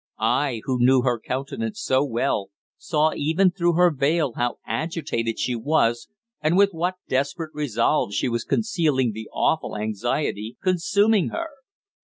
I, who knew her countenance so well, saw even through her veil how agitated she was, and with what desperate resolve she was concealing the awful anxiety consuming her.